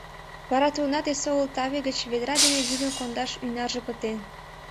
Вара тудынат эсогыл таве гыч ведра дене вӱдым кондаш ӱнарже пытен.